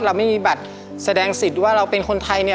เราไม่มีบัตรแสดงสิทธิ์ว่าเราเป็นคนไทยเนี่ย